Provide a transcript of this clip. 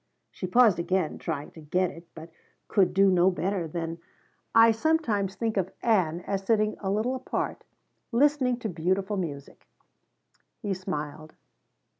She paused, again trying to get it, but could do no better than: "I sometimes think of Ann as sitting a little apart, listening to beautiful music." He smiled.